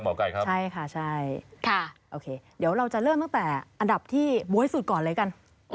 โอเคเดี๋ยวเราจะเริ่มตั้งแต่อันดับที่มวยสุดก่อนเลยกัน